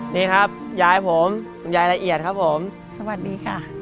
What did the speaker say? นี่ครับยายผมคุณยายละเอียดครับผมสวัสดีค่ะ